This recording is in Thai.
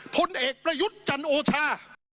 ผลเอกประยุทธ์จันโอชา